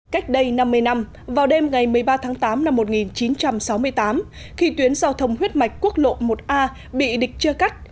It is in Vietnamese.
cách đây năm mươi năm vào đêm ngày một mươi ba tháng tám năm một nghìn chín trăm sáu mươi tám khi tuyến giao thông huyết mạch quốc lộ một a bị địch chia cắt